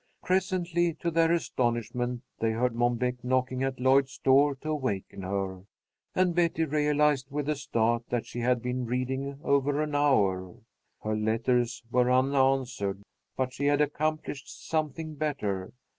Presently, to their astonishment, they heard Mom Beck knocking at Lloyd's door to awaken her, and Betty realized with a start that she had been reading over an hour. Her letters were unanswered, but she had accomplished something better.